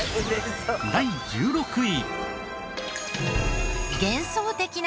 第１６位。